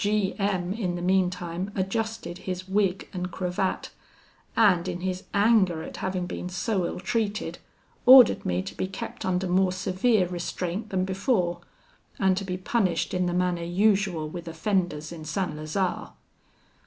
"G M in the meantime adjusted his wig and cravat, and in his anger at having been so ill treated, ordered me to be kept under more severe restraint than before, and to be punished in the manner usual with offenders in St. Lazare.